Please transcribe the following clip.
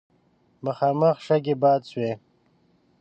مخامخ شګې باد شوې.